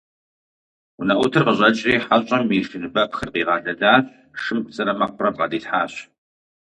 Унэӏутыр къыщӀэкӀри хьэщӏэм и шыныбэпхыр къигъэлэлащ, шым псырэ мэкъурэ бгъэдилъхьащ.